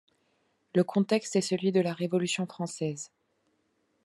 Le contexte est celui de la Révolution française.